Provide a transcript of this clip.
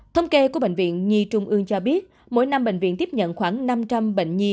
thông kê của bệnh viện nhi trung ương cho biết mỗi năm bệnh viện tiếp nhận khoảng năm trăm linh bệnh nhi